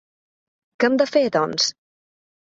Què hem de fer, doncs?